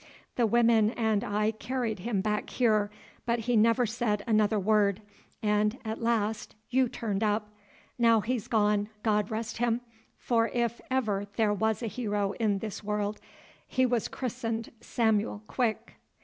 The women and I carried him back here, but he never said another word, and at last you turned up. Now he's gone, God rest him, for if ever there was a hero in this world he was christened Samuel Quick!"